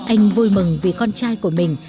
anh vui mừng vì con trai của mình